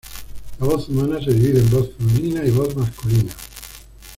La voz humana se divide en voz femenina y voz masculina.